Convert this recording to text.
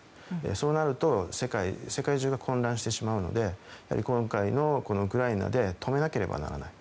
そうなると世界中が混乱してしまうので今回のウクライナで止めなければならない。